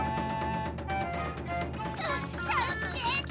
た助けて！